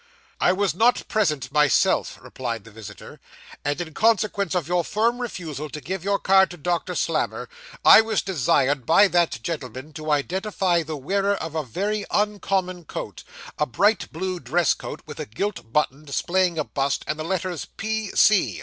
'I was not present myself,' replied the visitor, 'and in consequence of your firm refusal to give your card to Doctor Slammer, I was desired by that gentleman to identify the wearer of a very uncommon coat a bright blue dress coat, with a gilt button displaying a bust, and the letters "P. C."